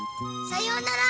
さよなら。